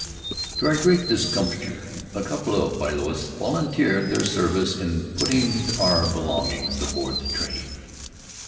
To our great discomfiture, a couple of poilus volunteered their services in putting our belongings aboard the train.